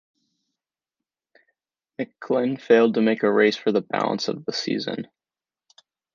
McGlynn failed to make a race for the balance of the season.